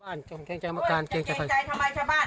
บ้านจำเกรงใจอาการเกรงใจจะเกรงใจทำไมชะบ้าน